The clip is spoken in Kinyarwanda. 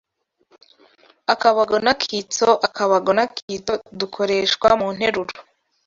Akabago n’akitso Akabago n’akitso dukoreshwa mu nteruro